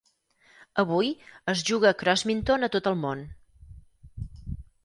Avui, es juga a crossminton a tot el món.